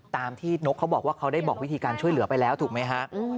ตามที่นกเขาบอกว่าเขาได้บอกวิธีการช่วยเหลือไปแล้วถูกไหมฮะ